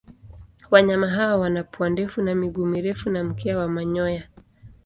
Wanyama hawa wana pua ndefu na miguu mirefu na mkia wa manyoya.